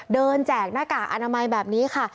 แจกหน้ากากอนามัยแบบนี้ค่ะ